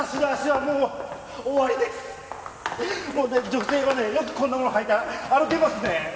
女性はねよくこんなものを履いて歩けますね。